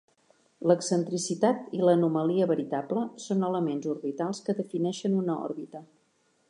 L'excentricitat i l'anomalia veritable són elements orbitals que defineixen una òrbita.